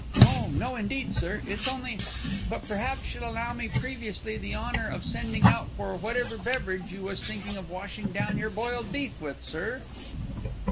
"Oh no, indeed, sir! It's only But p'r'aps you'll allow me previously the honour of sending out for whatever beverage you was thinking of washing down your boiled beef with, sir."